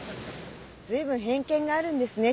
ずいぶん偏見があるんですね